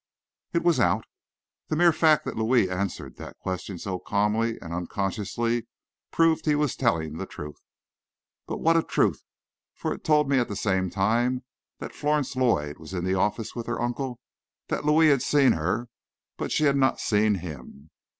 It was out. The mere fact that Louis answered that question so calmly and unconsciously proved he was telling the truth. But what a truth! for it told me at the same time that Florence Lloyd was in the office with her uncle, that Louis had seen her, but that she had not seen him.